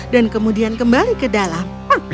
dan kemudian kembali ke dalam